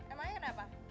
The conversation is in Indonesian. emangnya ada apa